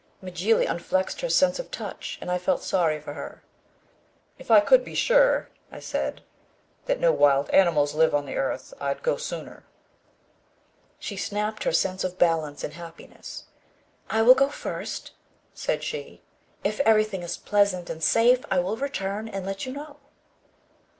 Mjly unflexed her sense of touch and I felt sorry for her. "If I could be sure," I said, "that no wild animals live on the earth, I'd go sooner." She snapped her sense of balance in happiness. "I will go first," said she. "If everything is pleasant and safe, I will return and let you know."